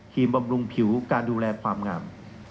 บำรุงผิวการดูแลความงาม